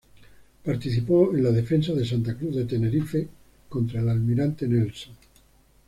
Participó en la defensa de Santa Cruz de Tenerife contra el Almirante Nelson.